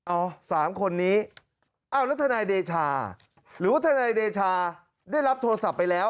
เอา๓คนนี้อ้าวแล้วทนายเดชาหรือว่าทนายเดชาได้รับโทรศัพท์ไปแล้ว